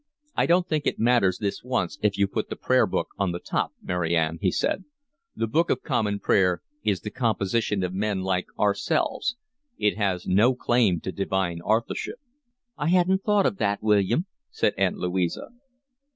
"I don't think it matters this once if you put the prayer book on the top, Mary Ann," he said. "The book of Common Prayer is the composition of men like ourselves. It has no claim to divine authorship." "I hadn't thought of that, William," said Aunt Louisa.